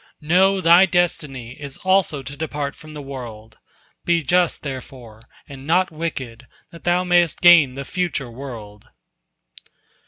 Know, thy destiny is also to depart from the world. Be just, therefore, and not wicked, that thou mayest gain the future world."